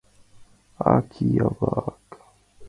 Ак, ия-влак!